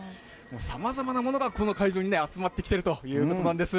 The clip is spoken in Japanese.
さまざまなものがこの会場に集まってきているということなんです。